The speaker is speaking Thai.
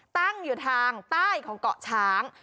ตั้งอยู่ทางใต้ของเกาะช้าง